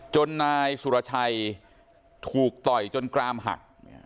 นายสุรชัยถูกต่อยจนกรามหัก